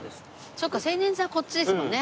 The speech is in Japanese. そっか青年座こっちですもんね。